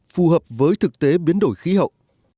phù hợp với thực tế biến đổi khí hậu